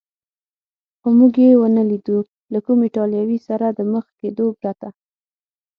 خو موږ یې و نه لیدو، له کوم ایټالوي سره د مخ کېدو پرته.